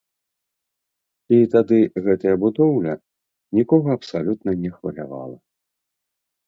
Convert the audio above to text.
І тады гэтая будоўля нікога абсалютна не хвалявала.